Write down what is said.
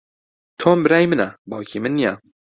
تۆم برای منە، باوکی من نییە.